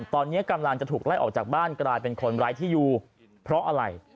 ตอนนี้กำลังจะถูกไล่ออกจากบ้านกลายเป็นคนร้ายที่อยู่เพราะอะไร